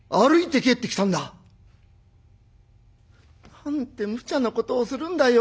「なんてむちゃなことをするんだよ。